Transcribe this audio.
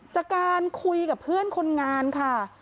จากการคุยกับเพื่อนคนงานค่ะ